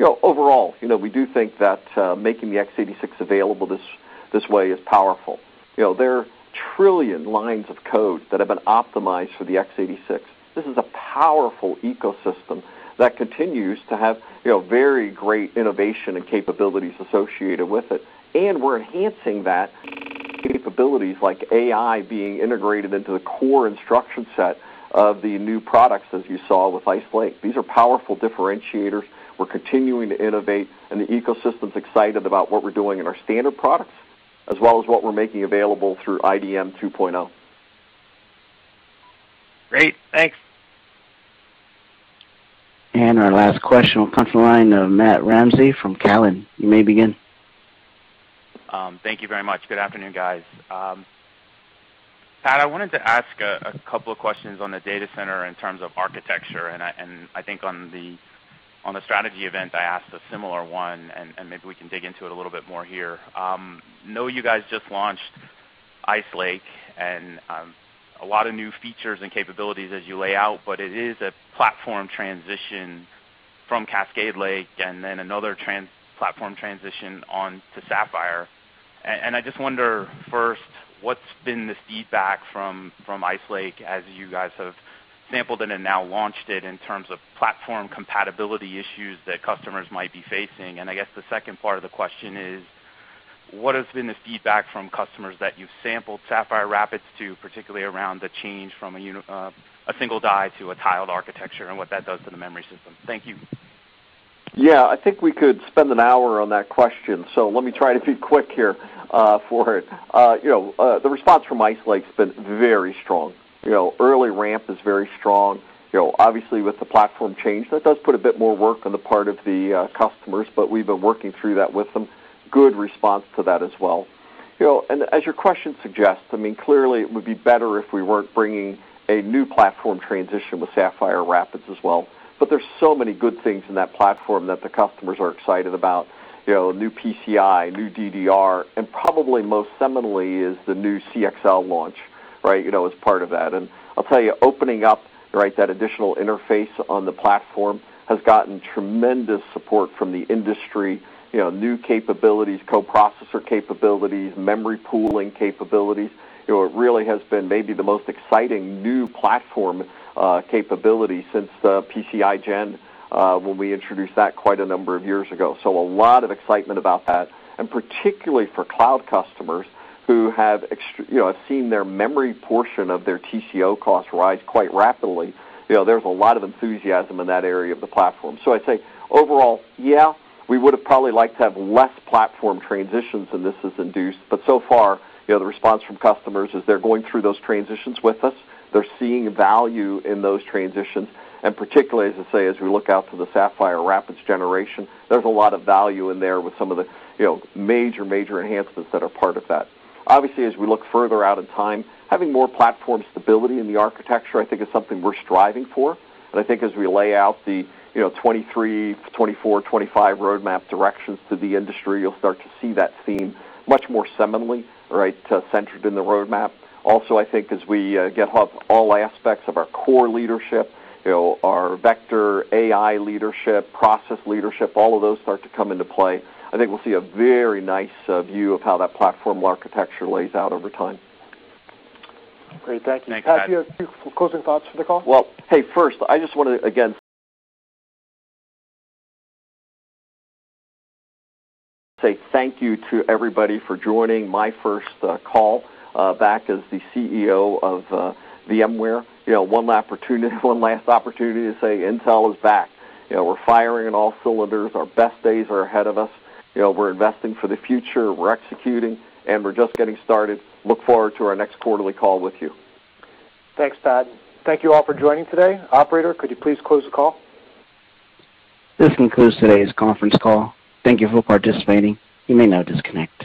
Overall, we do think that making the x86 available this way is powerful. There are 1 trillion lines of code that have been optimized for the x86. This is a powerful ecosystem that continues to have very great innovation and capabilities associated with it, and we're enhancing that capabilities like AI being integrated into the core instruction set of the new products, as you saw with Ice Lake. These are powerful differentiators. We're continuing to innovate, and the ecosystem's excited about what we're doing in our standard products, as well as what we're making available through IDM 2.0. Great. Thanks. Our last question will come from the line of Matthew Ramsay from TD Cowen. You may begin. Thank you very much. Good afternoon, guys. Pat, I wanted to ask a couple of questions on the data center in terms of architecture. I think on the strategy event, I asked a similar one, and maybe we can dig into it a little bit more here. You know you guys just launched Ice Lake and a lot of new features and capabilities as you lay out, but it is a platform transition from Cascade Lake and then another platform transition on to Sapphire. I just wonder, first, what's been this feedback from Ice Lake as you guys have sampled it and now launched it in terms of platform compatibility issues that customers might be facing? I guess the second part of the question is, what has been this feedback from customers that you've sampled Sapphire Rapids to, particularly around the change from a single die to a tiled architecture and what that does to the memory system? Thank you. Yeah. I think we could spend an hour on that question, so let me try to be quick here for it. The response from Ice Lake has been very strong. Early ramp is very strong. Obviously, with the platform change, that does put a bit more work on the part of the customers, but we've been working through that with them. Good response to that as well. As your question suggests, clearly, it would be better if we weren't bringing a new platform transition with Sapphire Rapids as well, but there's so many good things in that platform that the customers are excited about, new PCI, new DDR, and probably most seminally is the new CXL launch, as part of that. I'll tell you, opening up that additional interface on the platform has gotten tremendous support from the industry. New capabilities, co-processor capabilities, memory pooling capabilities. It really has been maybe the most exciting new platform capability since the PCI Gen, when we introduced that quite a number of years ago. A lot of excitement about that, and particularly for cloud customers who have seen their memory portion of their TCO costs rise quite rapidly. There's a lot of enthusiasm in that area of the platform. I'd say overall, yeah, we would've probably liked to have less platform transitions than this has induced. So far, the response from customers is they're going through those transitions with us. They're seeing value in those transitions, and particularly, as I say, as we look out to the Sapphire Rapids generation, there's a lot of value in there with some of the major enhancements that are part of that. Obviously, as we look further out in time, having more platform stability in the architecture, I think, is something we're striving for. I think as we lay out the 2023, 2024, 2025 roadmap directions to the industry, you'll start to see that theme much more seminally, centered in the roadmap. Also, I think as we get all aspects of our core leadership, our vector AI leadership, process leadership, all of those start to come into play, I think we'll see a very nice view of how that platform architecture lays out over time. Great. Thank you. Thanks, Pat. Pat, do you have a few closing thoughts for the call? Well, hey, first, I just want to, again, say thank you to everybody for joining my first call back as the CEO of Intel. One last opportunity to say Intel is back. We're firing on all cylinders. Our best days are ahead of us. We're investing for the future, we're executing, and we're just getting started. I look forward to our next quarterly call with you. Thanks, Pat. Thank you all for joining today. Operator, could you please close the call? This concludes today's conference call. Thank you for participating. You may now disconnect.